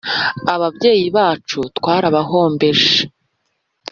ababyeyi bacu, twarabahombeje